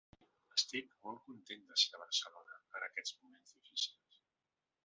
Estic molt contenta de ser a Barcelona en aquests moments difícils.